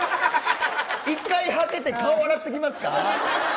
１回はけて顔洗ってきますか。